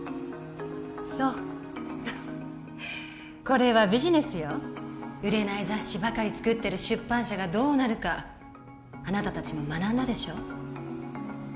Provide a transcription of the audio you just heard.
そうこれはビジネスよ売れない雑誌ばかり作ってる出版社がどうなるかあなた達も学んだでしょ？